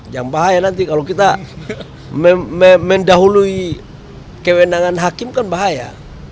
yang bahaya nanti kalau kita mendahului kewenangan hakim kan bahaya